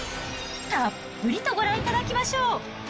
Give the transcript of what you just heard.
たっぷりとご覧いただきましょう。